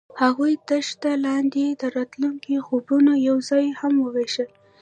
هغوی د دښته لاندې د راتلونکي خوبونه یوځای هم وویشل.